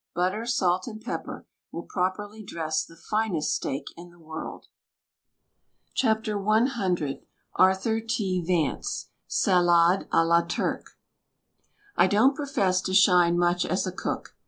Butter, salt, and pepper will properly dress the finest steak in the world. WRITTEN FOR MEN BY MEN Arthur T. Vance SALADE A LA TURC I don't profess to shine much as a cook.